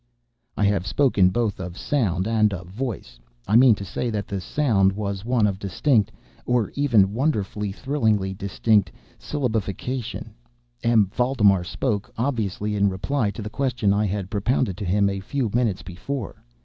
I have spoken both of "sound" and of "voice." I mean to say that the sound was one of distinct—of even wonderfully, thrillingly distinct—syllabification. M. Valdemar spoke—obviously in reply to the question I had propounded to him a few minutes before.